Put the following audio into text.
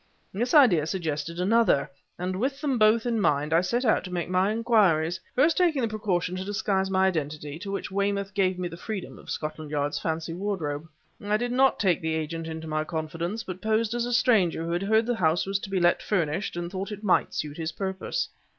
This idea suggested another, and with them both in mind, I set out to make my inquiries, first taking the precaution to disguise my identity, to which end Weymouth gave me the freedom of Scotland Yard's fancy wardrobe. I did not take the agent into my confidence, but posed as a stranger who had heard that the house was to let furnished and thought it might suit his purpose.